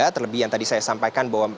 terlebih yang tadi saya sampaikan bahwa